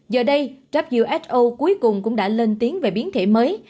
giờ đây who cuối cùng cũng đã lên tiếng về biến thể mới